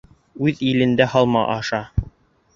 Үҙ илендә һалма аша